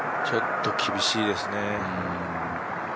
ちょっと厳しいですね。